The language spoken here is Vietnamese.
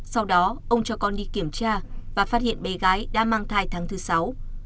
sau đó ông cho con đi kiểm tra và phát hiện bé gái đã mang thai tháng thứ sáu